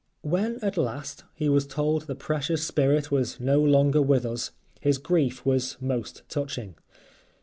When, at last, he was told the precious spirit was no longer with us, his grief was most touching.